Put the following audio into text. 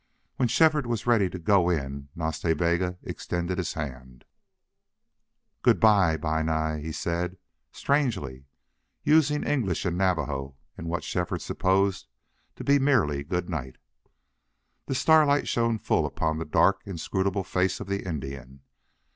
When Shefford was ready to go in Nas Ta Bega extended his hand. "Good by Bi Nai!" he said, strangely, using English and Navajo in what Shefford supposed to be merely good night. The starlight shone full upon the dark, inscrutable face of the Indian.